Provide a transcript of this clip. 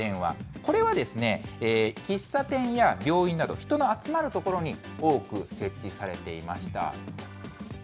これはですね、喫茶店や病院など、人の集まる所に多く設置されていました。